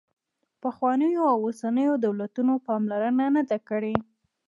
پخوانیو او اوسنیو دولتونو پاملرنه نه ده کړې.